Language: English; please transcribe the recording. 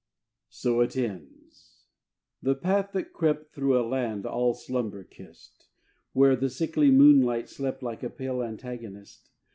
So it ends the path that crept Through a land all slumber kissed; Where the sickly moonlight slept Like a pale antagonist.